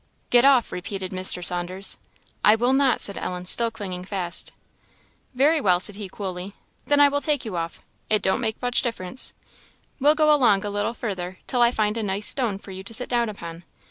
"Get off!" repeated Mr. Saunders. "I will not!" said Ellen, still clinging fast. "Very well," said he, coolly "then I will take you off; it don't make much difference. We'll go along a little further till I find a nice stone for you to sit down upon.